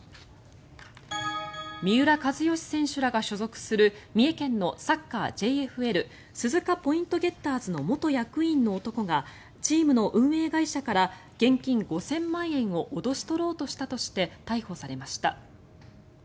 三浦知良選手らが所属する三重県のサッカーＪＦＬ鈴鹿ポイントゲッターズの元役員の男がチームの運営会社から現金５０００万円を脅し取ろうとしたとして逮捕されました。